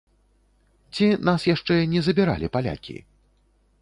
Ці нас яшчэ не забіралі палякі?